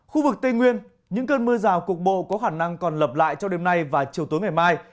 khu vực tây nguyên những cơn mưa rào cục bộ có khả năng còn lập lại trong đêm nay và chiều tối ngày mai